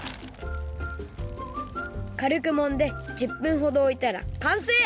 かるくもんで１０分ほどおいたらかんせい！